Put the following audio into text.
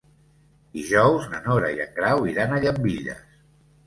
Dijous na Nora i en Grau iran a Llambilles.